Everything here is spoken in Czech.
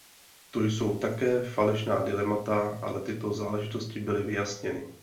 To jsou také falešná dilemata, ale tyto záležitosti byly vyjasněny.